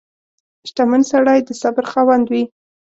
• شتمن سړی د صبر خاوند وي.